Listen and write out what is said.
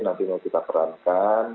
nanti nanti kita perankan